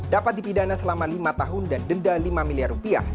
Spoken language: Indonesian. dapat dipidana selama lima tahun dan denda lima miliar rupiah